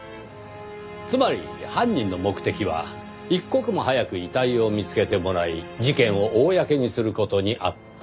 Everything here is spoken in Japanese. つまり犯人の目的は一刻も早く遺体を見つけてもらい事件を公にする事にあった。